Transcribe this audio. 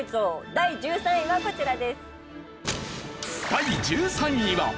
第１３位はこちらです。